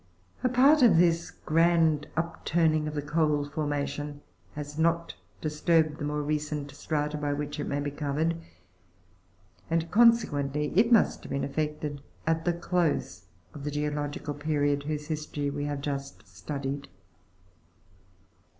21. A part of this grand upturning of the coal formation has not disturbed the more recent strata by which it may be covered, and consequently it must have been effected at the close of the geo logical period whose history we have just studied.